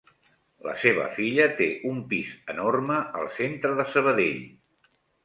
La seva filla té un pis enorme al centre de Sabadell.